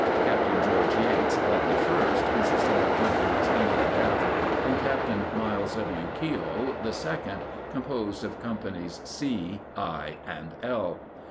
Capt. George Yates led the first, consisting of Companies E and F, and Capt. Myles W. Keogh the second, composed of Companies C, I, and L.